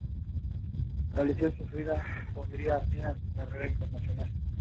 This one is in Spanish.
La lesión sufrida pondría fin a su carrera internacional.